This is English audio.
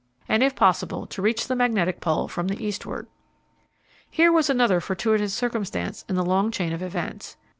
and if possible to reach the Magnetic Pole from the eastward. Here was another fortuitous circumstance in the long chain of events.